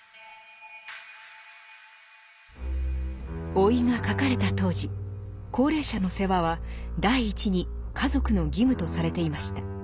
「老い」が書かれた当時高齢者の世話は第一に家族の義務とされていました。